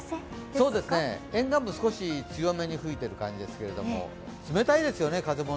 そうですね、沿岸部、少し強めに吹いてる感じですけれども冷たいですよね、風も。